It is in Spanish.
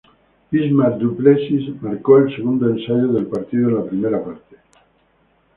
Bismarck du Plessis marcó el segundo ensayo del partido, en la primera parte.